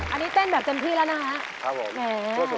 อันนี้เต้นแบบเจ็บพี่แล้วนะครับ